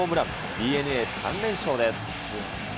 ＤｅＮＡ３連勝です。